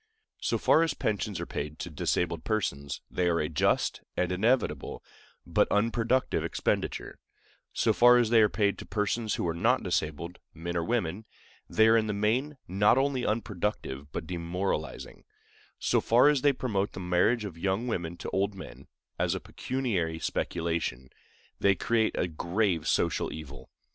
So far as pensions are paid to disabled persons, they are a just and inevitable, but unproductive expenditure; so far as they are paid to persons who are not disabled,—men or women,—they are in the main not only unproductive but demoralizing; so far as they promote the marriage of young women to old men, as a pecuniary speculation, they create a grave social evil.